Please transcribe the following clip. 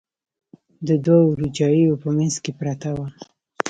د دوو روجاییو په منځ کې پرته وه.